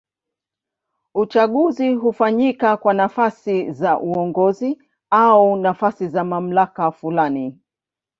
Uchaguzi hufanyika kwa nafasi za uongozi au nafasi za mamlaka fulani.